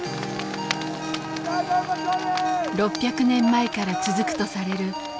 ６００年前から続くとされる